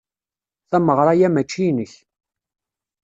Tameɣra-a mačči inek.